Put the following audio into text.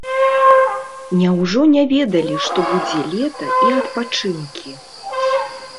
Няўжо не ведалі, што будзе лета і адпачынкі?